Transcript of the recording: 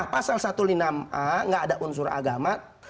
pasal enam belas a nggak ada unsur agama